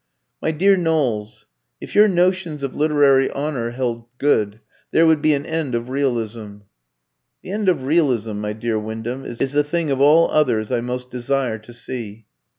"My dear Knowles, if your notions of literary honour held good, there would be an end of realism." "The end of realism, my dear Wyndham, is the thing of all others I most desire to see."